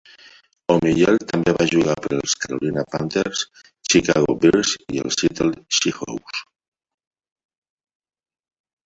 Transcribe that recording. Omiyale també va jugar per els Carolina Panthers, Chicago Bears i els Seattle Seahawks.